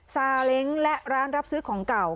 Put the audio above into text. ซาเล้งและร้านรับซื้อของเก่า